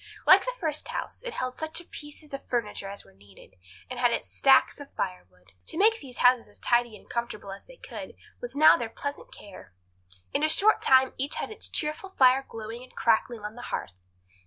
Like the first house, it held such pieces of furniture as were needful, and had its stack of firewood. To make these houses as tidy and comfortable as they could was now their pleasant care. In a short time each had its cheerful fire glowing and crackling on the hearth.